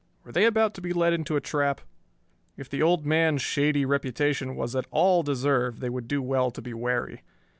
Were they about to be led into a trap? If the old man's shady reputation was at all deserved they would do well to be wary.